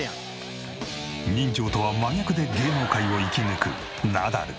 人情とは真逆で芸能界を生き抜くナダル。